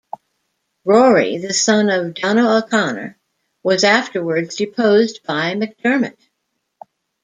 Rory, the son of Donough O'Conor, was afterwards deposed by Mac Dermot.